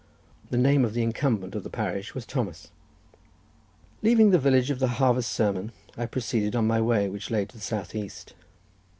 The name of the incumbent of the parish was Thomas. Leaving the village of the harvest sermon, I proceeded on my way, which lay to the south east.